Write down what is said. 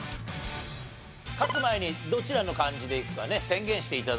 書く前にどちらの漢字でいくかね宣言して頂いて。